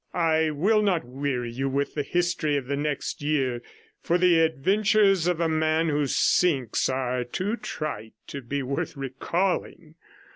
I 19 will not weary you with the history of the next year, for the adventures of a man who sinks are too trite to be worth recalling.